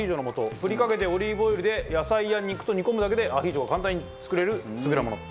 振りかけてオリーブオイルで野菜や肉と煮込むだけでアヒージョが簡単に作れる優れもの。